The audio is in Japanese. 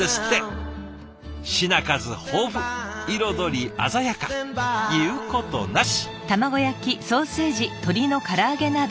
品数豊富彩り鮮やか言うことなし！